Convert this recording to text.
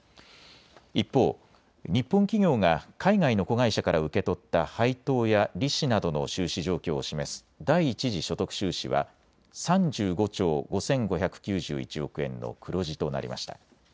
一方、日本企業が海外の子会社から受け取った配当や利子などの収支状況を示す第一次所得収支は３５兆５５９１億円の黒字となりました。